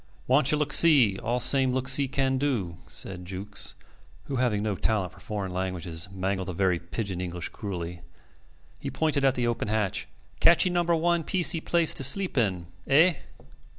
"Wanchee look see, all same look see can do," said Jukes, who having no talent for foreign languages mangled the very pidgin English cruelly. He pointed at the open hatch. "Catchee number one piecie place to sleep in. Eh?"